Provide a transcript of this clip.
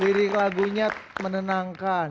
lirik lagunya menenangkan